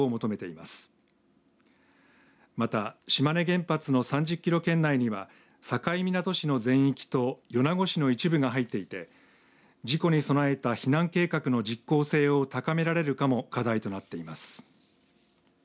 また島根原発の３０キロ圏内には境港市の全域と米子市の一部が入っていて事故に備えた避難計画の実効性を高められるかも課題となっています。